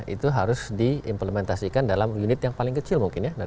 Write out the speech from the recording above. itu harus diimplementasikan dalam unit yang paling kecil mungkin ya